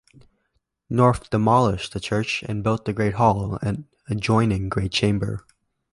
North demolished the church and built the Great Hall and adjoining Great Chamber.